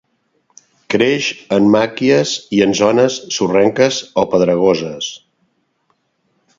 Creix en màquies i en zones sorrenques o pedregoses.